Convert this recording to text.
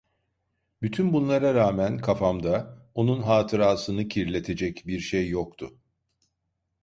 Bütün bunlara rağmen kafamda, onun hatırasını kirletecek bir şey yoktu.